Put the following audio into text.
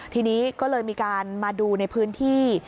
ทีนี้ก็เลยมีการมาดูในพื้นที่